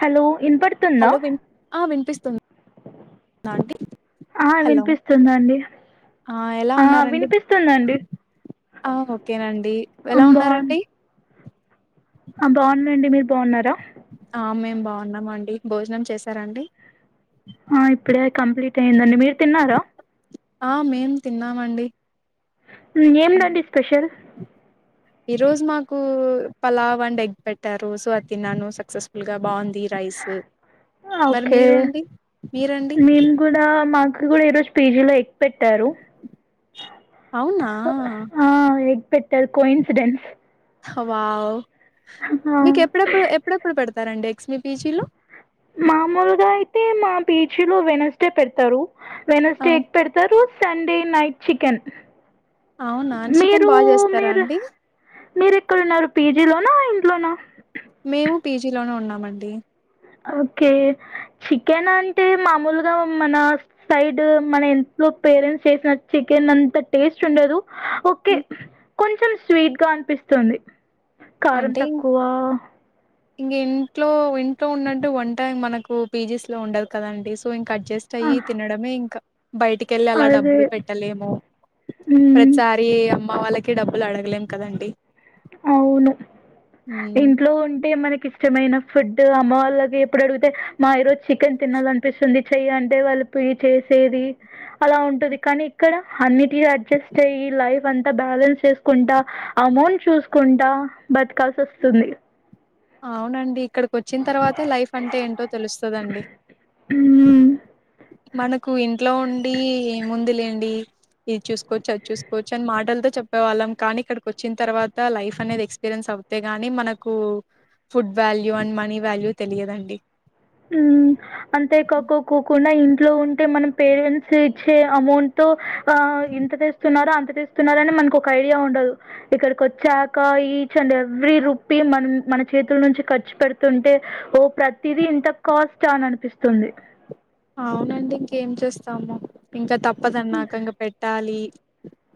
Hello వినపడుతుందా hello వి ఆ వినిపిస్తుంద అండి ఆ హలో వినిపిస్తుందండి ఆ ఎలా ఆ ఉన్నారండి వినిపిస్తుందండి ఆ ఓకేనండి ఎలా అన్బన్ ఉన్నారండి ఆ బాగున్నాండి. మీరు బాగున్నారా. ఆ మేం బాగున్నామండి. భోజనం చేసారండి. ఆ ఇప్పుడే కంప్లీట్ అయిదండి. మీరు తిన్నారా. ఆ మేం తిన్నామండి ఏమిందండి స్పెషల్ ఈ రోజు మాకు పలావు అండ్ ఎగ్ పెట్టారు సో అది తిన్నాను సక్సెస్ఫుల్ గా బాగుంది. రైసు మరి ఓకే మీరండి. మీరండి. మేము కూడా మాకు కూడా ఈరోజు పీజీలో ఎగ్ పెట్టారు. అవునా ఆ ఎగ్ పెట్టారు కో ఇన్సిడెన్ట్స్. వావ్ మీకు ఎప్పుడెప్పుడు ఎప్పుడెప్పుడు పెడతారండి ఎక్స్ మీ పీజీలో మామూలుగా అయితే మా పీ జి లో వెనస్డే పెడతారు ఆ వెనస్డే ఎగ్ పెడతారు. సండే నైట్ చికెన్ అవునా చికెన్ మీరు బాగా చేస్తారా మీరు అండి మీరు ఎక్కడున్నారు పిజీ లోనా ఇంట్లోనా మేము పీజీలోనే ఉన్నామండి. ఓకే చికెన్ అంటే మామూలుగా మన సైడు మన ఇంట్లో పేరెంట్స్ చేసిన చికెన్ అంత టేస్ట్ ఉండదు. ఓకే హ్మ్. కొంచెం స్వీట్ గా అనపి పిస్తోంది. కారం తక్కువ ఇంగా ఇంట్లో, ఇంట్లో ఉన్నంటు వంట మనకు పీజీస్ లో ఉండదు కదండి. సో ఇం కడ్జెస్ట్ ఆ, అయి తినడమే ఇంకా బయటి కెళ్ళి అలా అదే డబ్బులు పెట్టలేము. మ్మ్, ప్రతిసారి అమ్మ వాళ్ళక్ కి డబ్బులు అడగలేం కదండి. అవును. మ్మ్ ఇంట్లో ఉంటే మనక్ ఇష్టమైన ఫుడ్ అమ్మ వాళ్ళకి ఎప్పుడు అడిగితే. మా ఈరోజు చికెన్ తినాలనిపిస్తుంది చేయంటే వాళ్ళ పోయ్ చేసేది అలా ఉంటది. కానీ ఇక్కడ అన్నిటి అడ్జస్ట్ అయి లైఫ్ అంతా బా బ్యాలెన్స్ చేసుకుంటా, అమౌంట్ చూసుకుంటా, బతకాల్సి వసుంది. అవునండి‌. ఇక్కడికి వచ్చిన తర్వాతే లైఫ్ అంటే ఏంటో తెలుస్తుందండి. మనకు ఇంట్లో ఉండి, ఏ ముంది లేండి. ఇది చూస్ కొచ్చాచ్ చూసుకోవచ్చని మాటలతో చెప్పేవాళ్ళం. కానీ ఇక్కడికి వచ్చిన్ తర్వాత లైఫ్ అనేది ఎక్స్పీరియన్స్ అవుతే గాని మనకు food value and money value తెలియదండి. హుహ్ అంతే ఖఖో కోకుండ ఇంన్ట్ లో ఉంటే మనం పేరెంట్స్ ఇచ్చే, అమౌంట్ ఆ ఇంత తెస్తున్నారా అంత్ తు తేస్తున్నారని మనకి ఒక ఐడియా ఉండదు. ఇక్కడికి వచ్చాక ఈచ్ అండ్ ఎవ్రీ రూపీ మనున్ మన చేతుల్ నుంచి ఖర్చు పెడుతుంటే, ఓ ప్రతిదీ ఇంతక్ కాస్ట్ ఆ అని అనిపిస్తుంది. అవునండి ఇంకేం చేస్తాము. ఇంకా తప్పదన్నాక ఇంగ పెట్టాలి.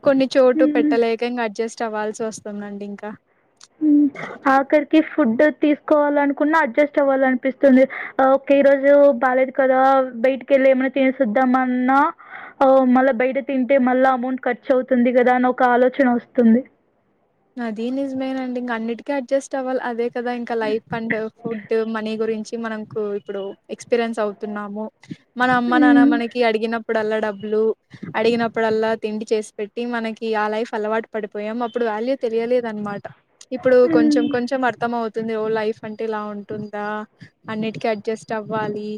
కొన్ని చోటు హ్మ్. పెట్టలేక, ఇంగా అడ్జస్ట్ అవ్వాల్సి వస్తుందండి ఇంకా. హుహ్ ఆఖరికి ఫుడోత్ తీసుకోవాలనుకున్నా అడ్జస్ట్ అవ్వాల అనిపిస్తుంది. ఒకే ఈ రోజు బాలేదు కదా బయటికేల్ లేమన్నా తినేస్ వద్దామన్న. హో మళ్ళా బయట తింటే మళ్ళా అమౌంట్ ఖర్చు అవుతుంది కదా అన్ ఒక్ కాలోచన వస్తుంది. అది నిజమేనండి. ఇంగా అన్నిటికీ అడ్జస్ట్ అవ్వాలి. అదే కదా ఇంకా లైఫ్ అండ్ ఫుడ్ మనీ గురించి మనమ్ కృ ఇప్పుడు ఎక్స్పీరియన్స్ అవుతున్నాము. మన మన్నన్నా హ్మ్. మనకి అడిగినప్పుడల్లా. డాబ్ లు అడిగినప్పుడల్లా తిండి చేసి పెట్టి, మనకి ఆ లైఫ్ అలవాటు పడిపోయాం అప్పుడు వాల్యూ తెలియలేదనమాట, ఇప్పుడు హ్మ్. కొంచెం కొంచెం అర్థం మోవత్ తుంది. ఓ లైఫ్ అంటే ఇలా ఉంటుందా అన్నిటికీ అడ్జస్ట్ అవ్వాలి.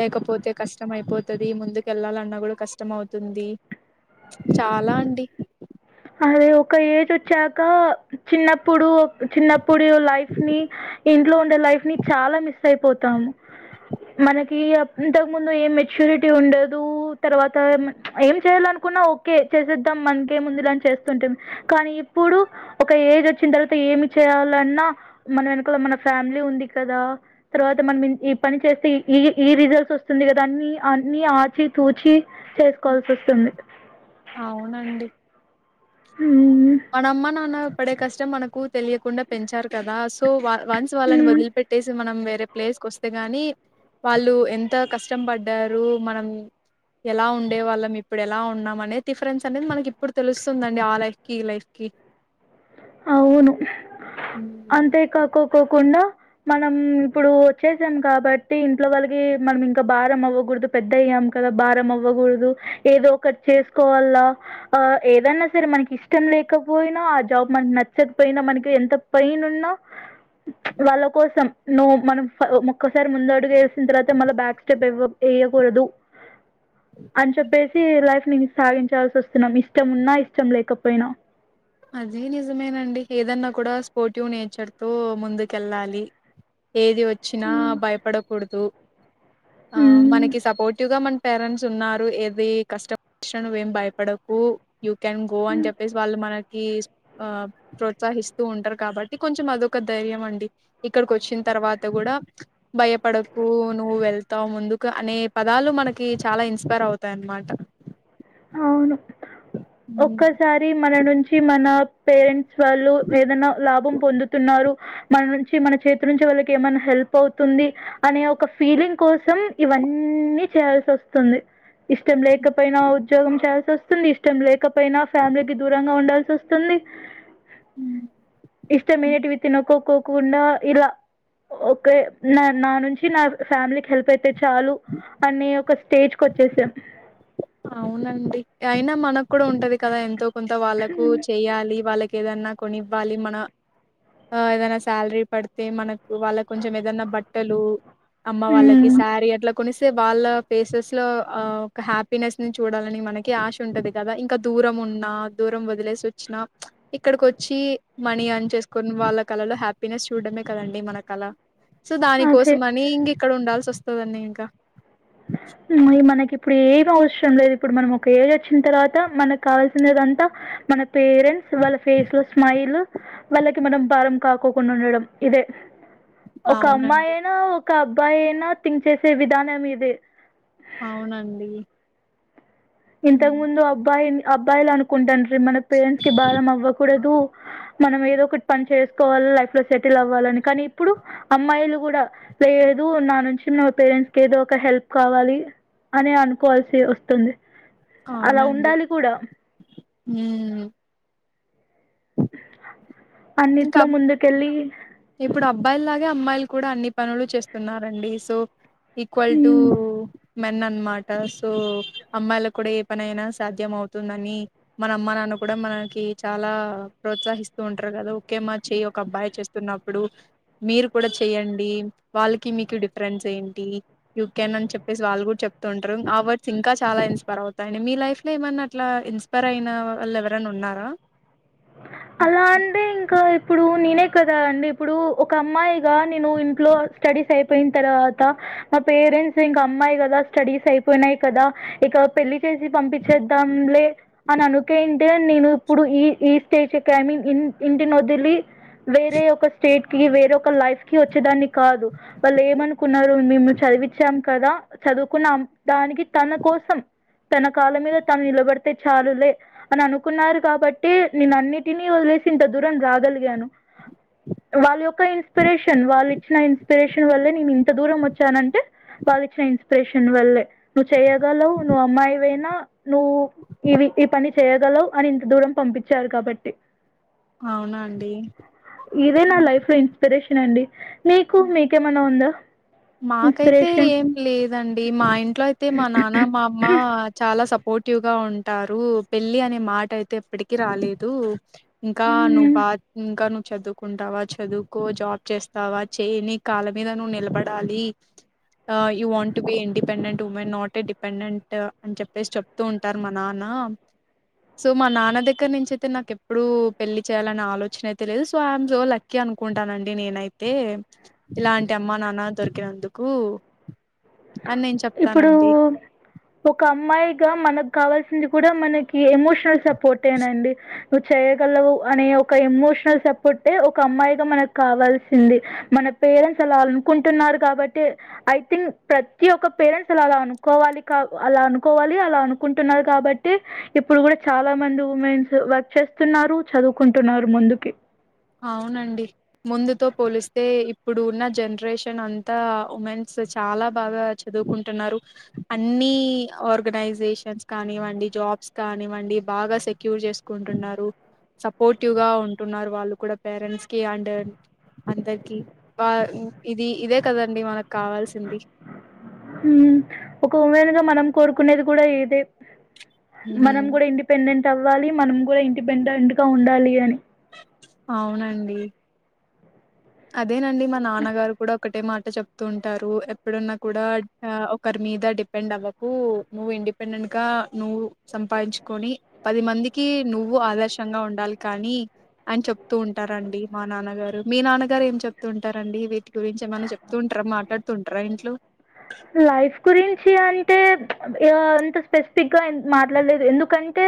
లేకపోతే కష్టం అయిపోతది. ముందుకు ఏళ్ళాలన్నా కూడా కస్టమవుతుంది. చాలా అండి. అదే ఒక ఏజ్ వచ్చాక చిన్నప్పుడు, చిన్నప్పుడి లైఫ్ నీ ఇ డ్లోడే లైఫ్ ని చాలా మిస్ అయిపోతాము. మనకి యప్ ఇంతకు ముందు ఏం మెచ్యూరిటీ ఉండదు. తర్వాత ఏం చేయాలన్ కున్న ఓకే చేసేద్దాం మనకెముందు లంచ్ చేస్తుటిమ్ కానీ ఇప్పుడు ఒక ఏజ్ వచ్చిన తర్వాత ఏమి చేయాలన్నా మన వెనకాలమ్ మన ఫ్యామిలీ ఉంది కదా, తర్వాత మనం ఈ పని చేస్తే ఈ ఈ రిజల్ట్స్ వస్తుంది. కదా అన్ని అన్ని ఆచి తూచి చేసుకోవాల్సి వస్తుంది. అవునండి. హుమ్ మన అమ్మ నాన్న పడే కష్టం మనకుత్ తెలియకుండా పెంచారు కదా సో వ వన్స్ వాళ్ళని ఉమ్, వదిలిపెట్టేసి మనం వేర్ రే ప్లేస్ కి వస్తే గాని వాళ్ళు ఎంత కష్టం పడ్డారు మనం ఎలా ఉండే వాళ్ళం ఇప్పుడు ఎలా ఉన్నాం. అనేది డిఫరెన్స్ అనేది మనకి ఇప్పుడు తెలుస్తుందండి. ఆ లైఫ్ కి లైఫ్కీ అవును అంతేకాకో కోకుండా మనం ఇప్పుడు వచ్చేసాం కాబట్టి ఇంట్లో వాళ్ళకి మనం ఇంకా భారం అవ్వ కుడుదు పెద్ద అయ్యాం కదా భారం అవ్వకూడదు ఏదో ఒకటి చేసుకోవాల్ల ఆ ఏదన్న సరే మనకి ఇష్టం లేకపోయినా ఆ జాబ్ మనకి నచ్చకపోయినా మనకి ఎంత పెయిన్ ఉన్నా వాళ్ళ కోసం నువ్వు మనం ఒ ఒక్కసారి ముంద అడుగు వేసిన తర్వాత మళ్ళ బ్యాక్ స్టెప్ ఎవ్వ్ వేయకూడదు అని చెప్పేసి లైఫ్ నేను సాధించాల్సి వస్తున్నాం ఇష్టం ఉన్నా ఇష్టం లేకపోయినా అదే నిజమేనండి ఏదన్నా కూడా స్పోర్టివ్ నేచర్ తో ముందుకెళ్ళాలి. [inaudible] ఏది వచ్చినా భయపడకూడదు ఆ ఉమ్, మనకి సపోర్టివ్ గా మన పేరెంట్స్ ఉన్నారు ఏది కష్టమచ్చినా నువ్వెం భయపడకు యుూ క్యాన్ గో అని చెప్పేసి వాళ్ళు మనని కి ఆ ప్రోత్సహిస్తూ ఉంటారు కాబట్టి కొంచెం అదొక ధైర్యం అండి ఇక్కడికి వచ్చిన తర్వాత కూడా భయపడకు నువ్వు వెళ్తావు ముందుకు అనే పదాలు మనకి చాలా ఇన్స్పైర్ అవుతాయ్ అన్నమాట అవును ఒక్కసారి మన నుంచి మన పేరెంట్స్ వాళ్ళు ఏదైనా లాభం పొందుతున్నారు మన నుంచి మన చేతి నుంచి వాళ్ళకి ఏమైన్నా హెల్ప్ హెల్ప్ అవుతుంది అనే ఒక ఫీలింగ్ కోసం ఇవ్వన్నీ చేయాల్సి వస్తుంది. ఇష్టం లేకపోయినా ఉద్యోగం చేయాల్సి వస్తుంది. ఇష్టం లేకపోయినా ఫ్యామిలీకి దూరంగా ఉండాల్సి వస్తుంది. ఇష్టమైనటివి తినకోక్కకుండా ఇలా ఓకే నా నా నుంచి నా ఫ్యామిలీకి హెల్ప్ అయితే చాలు అని ఒక స్టేజ్ కి వచ్చేసాం అవునండి అయినా మనకు కూడా ఉంటది కదా ఎంతో కొంత వాళ్ళకు చెయాలి వాళ్ళకి ఏదన్నా కొనివ్వాలి మన ఆ ఏదైనా సాలరీ పడితే మనకు వాళ్ళ కొంచెం ఏదన్నా బట్టలు అమ్మ వాళ్ళకి హ్మ్. శారీ అట్లా కొనిస్తే వాళ్ళ ఫేసెస్ లో ఒక హ్యాపీ ఫినెస్ ని చూడాలని మనకి ఆశ ఉంటది కదా ఇంకా దూరం ఉన్నా దూరం వదిలేసి వచ్చిన ఇక్కడ ఇక్కడికొచ్చి మనీ అర్న్ చేసుకుని వాళ్ళ కళలో హ్యాపీనెస్ చూడడమే కదండి మన కళ సో దానికోసం అదే. అని ఇంగ ఇక్కడ ఉండాల్సి వస్తుందండి ఇంకా మళ్ళీ మనకి ఇప్పుడు ఏం అవసరం లేదు ఇప్పుడు మనం ఒక ఏజ్ వచ్చిన తర్వాత మనకు కావాల్సినదంతా మన పేరెంట్స్ వాళ్ళ ఫేస్ లో స్మైల్ వాళ్ళకి మనం భారం కాకోకుండా ఉండడం ఇదే ఒక అమ్మాయి అవునండి అయినా ఒక అబ్బాయి అయినా థింక్ చేసే విధానం ఇదే అవునండి ఇంతకు హ్మ్. ముందు అబ్బాయి అబ్బాయిలు అనుకుంటాడ్రి మన పేరెంట్స్ కి బారం అవ్వకూడదు మనం ఏదో ఒకటి పని చేసుకోవాల లైఫ్ లో సెటిల్ అవ్వాలని కానీ ఇప్పుడు అమ్మాయిలు కూడా లేదు నా నుంచి నా పేరెంట్స్ కి ఏదో ఒక హెల్ప్ కావాలి అని అనుకోవాల్సి వస్తుంది అలా ఉండాలి కూడా ఊ అన్నిట్లో ముందుకెళ్ళి అబ్బాయిలు లాగే అమ్మాయిలు కూడా అన్ని పనులు చేస్తున్నరండి so equal to hmm. Men అనమాట సో అమ్మాయిల కూడా ఏ పని అయినా సాధ్యం అవుతుందని మన అమ్మ నాన్న కూడా మనకి చాలా ప్రోత్సహిస్తూ ఉంటారు కదా ఒకే మా చెయ ఒక అబ్బాయి చేస్తున్నప్పుడు మీరు కూడా చెయ్యడి వాళ్ళకి మీకు డిఫరెన్స్ ఏంటి యు కేన్ అని చెప్పేసి వాళ్ళ కూడా చెప్తుంటారు ఆ వర్డ్స్ ఇంకా చాలా ఇన్స్పైర్ అవుతాయి అండి మీ లైఫ్ కి ఏమన్నా అట్లా ఇన్స్పైర్ అయిన వాళ్ళు ఎవరన్న ఉన్నారా అలా అంటే ఇంకా ఇప్పుడు నేనే కదా అండి ఇప్పుడు ఒక అమ్మాయిగా నేను ఇంట్లో స్టడీస్ అయిపో పెయిన్ తర్వాత మా పేరెంట్స్ ఇంక అమ్మాయి కదా స్టడీస్ అయిపోయినయి కదా ఇక పెళ్ళి చే చేసి పంపిచేద్దాంలే అన్ అనుకే ఇంతే నేను ఇప్పుడు ఈ ఈ స్ తీస్ కామిన్ [unintelligible] ఇన్ ఇంటి నోదిలి వేరే ఒక స్టేట్ కి వేరే ఒక లైఫ్ కి వచ్చేదాన్ని కాదు వాళ్ళు ఏమనుకున్నారు మేము చ చద్ విచాం కదా చదువుకున్న దానికి తన కోసం తన కాల మీద తన్ నిల్ బడితే చాలులే అన్ అనుకున్నారు కాబట్టి నేన్ అన్నిటినీ వదిలేసి ఇంత దూరం రాగలిగాను వాళ్ళ యొక్క ఇన్స్ ప్రిరేషన్ వాల్ ఇచ్చిన ఇన్స్ ప్రిరేషన్ వల్లే నీ నిమ్ న ఇంత దూరం వచ్చానంటే వాల్ ఇచ్చిన ఇన్స్ ప్రేరేషన్ వల్లే నువ్వు చేయ్యగలవు నువ్వు అమ్మాయివయినా నువ్వు ఇవి ఈ పని చేయగలవు అని ఇంత దూరం పంపించారు కాబట్టి అవునా అండి తినండి మీకు మీకేమన్నా ఉందా మాకైతే ఇన్స్పిరేషన్ ఏం లేదండి మా ఇంట్లో అయితే మా నాన్న మా అమ్మ చాలా సపోర్ట్ క్టివ్ గా ఉంటారు పెళ్లి అనే మాట అయితే ఎప్పటికి రాలేదు ఇంకా నువ్ బా ఇంకా ను చదుకుంటావా చదుకో జాబ్ చేస్తావా చేయ్ నీ కాల మీద నువ్వు నిలబడ్ డాలి ఆ you want to be independent women not a dependent అన్ చెప్పేసి చెప్తూ ఉంటార్ మా నాన్న ఆమ్ సో మా నాన్న దగ్గర నుంచి అయితే నాకు ఎప్పుడు పెళ్లి చేయాలన్న ఆలోచన అయితే లేదు సో యమ్ సో లక్యా అనుకుంటానండి నేనైతే ఇలాంటి అమ్మా నాన్న దొర్ కినందుకు ఇప్పుడు ఒక అమ్మాయిగా మన గు కావాల్సింది కూడా మనకి ఎమోషనల్ సపోటేనాండి ను చేయగలవు అనే ఒక ఎమో షల్ సపోటే ఒక అమ్మాయిగా మనకు కావాల్సింది మన పేరెంట్స్ అలా అనుకుంటున్నారు కాబట్ ట్ ఐ థింక్ ప్రతి ఒకక్ పేరెంట్స్ అలా అలా అనుకోవాలి కా అలా అనుకోవాలి అలా అనుకుంటున్నారు కాబట్టి ఇప్పుడు కూడా చాలా మందు ఉమెన్స్ వర్క్ చేస్తున్నారు చదుకుంటున్నారు ముందుకి అవునండి ముందుతో పోలిస్తే ఇప్పుడు ఉన్న జనరేషన్ అంతా ఉమెన్స్ సే స్ చాలా బాగా చదుకుంటున్నారు అన్ని ఆర్గనైజేషన్స్ కానివ్వండి జాబ్స్ కానివ్వండి బాగా సెక్యూర్ చేసుకుంటున్నారు సపోర్టివ్ గా ఉంటున్నారు వాళ్ళు కూడా పేరెంట్స్ కి యండు అందరికి బ ఇది ఇదే కదండి మనక్ కావాల్సింది ఉమ్ ఒక ఉమెన్ గా మనం కోరుకునేది కూడా ఇదే మనం హ్మ్. కూడా ఇండిపెండెంట్ అవ్వాలి మనం కూడా ఇండిపెండెంట్ గా ఉండాలి అని అవునండి అదేనండి మా నాన్నగారు కూడా ఒకటే మాట్ చెప్తూ ఉంటారు ఎప్ డున్నా కూడా ఆ ఒకరి మీద డిపెండ్ అవ్వకు నువ్ ఇండిపెండెన్ ఇంకా నువ్వు సంపాయిన్ చుకొని పది మందికి నువ్వు ఆదర్శంగా ఉండాలి కానీ అన్ చెప్ తు ఉంటారండి మా నాన్నగారు మీ నాన్న గ గార్ ఏం చెప్ తుంటారండి వీటి గురించి ఏమన్నా చెప్ తుంటారా మాట్లాడ్ తుంటారా ఇంట్లో లైఫ్ గురించి అంటే ఈ గ అంత స్పెస్ ఫిక్ గా మాట్లాడ్ లేదు ఎందుకన్ టే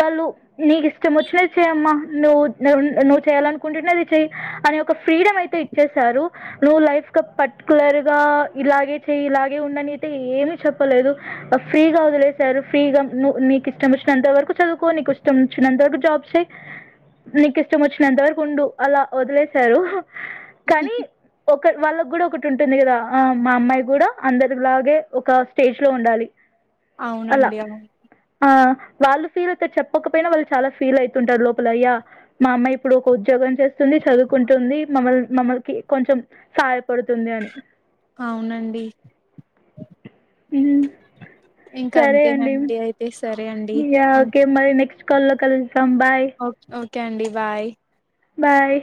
వాళ్ళు నీక్ ఇష్టం వచ్ నది చెయమ్మా నువ్వు నువ్ న్ డ్ నువ్ చేయాలనుకుంటున్నది చేయి అనే ఓ ఒక ఫ్రీడమ్ అయితే ఇచ్చేశారు నువ్వు లైఫ్ క పట్ కులర్ గా ఇలాగే చేయి ఇలాగే ఉండనియితే ఏమీ చెప్పలేదు ఫ్రీగా వదిలేశారు ఫ్రీగా నువ్ మీ నీక్ ఇష్టం మోచ్ చినంత వరకు చదుకో నీకు ఇష్టమోచినంత వరకు జాబ్ చేయి నీక్ ఇష్టంమోచ్ నంత వరకుండు అలా వదిలేసారు కానీ ఒక వాళ్ళక్ కూడా ఒకటి ఉంటుంది కదా ఆ మా అమ్మాయి కూడా అందరిలాగే ఒక స్టేజ్ లో ఉండాలి అలా అవునండి. అవును. ఆ వాళ్ళు ఫీల్ అవుతారు చెప్పకపోయినా వాళ్ళు చాలా ఫీల్ అవుతుంటారు లోపల అయ్యా మా అమ్మాయి ఇప్పుడు ఒక ఉద్యోగం చేస్తుంది చదువుకుంటుంది మమ్మల్ మమ్మల్కి కొంచెం సహాయపడుతుంది అని ఇ ఉమ్ ఇంక సరే అండి అంతేనండి. అయితే సరే అండి. Yeah hmm. ఓకే మరి నెక్స్ట్ కాల్ లో కలుస్తాం బాయ్ ఓకే. ఓకే అండి బాయ్ బాయ్